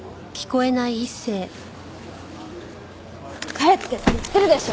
帰ってって言ってるでしょ！